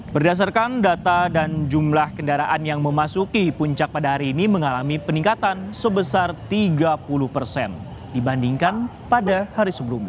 berdasarkan data dan jumlah kendaraan yang memasuki puncak pada hari ini mengalami peningkatan sebesar tiga puluh persen dibandingkan pada hari sebelumnya